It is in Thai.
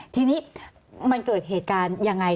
ทีนี้มันเกิดเหตุการณ์ยังไง